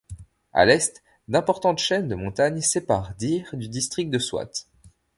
À l'est, d'importantes chaînes de montagnes séparent Dir du district de Swat.